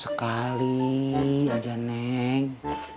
sekali aja neng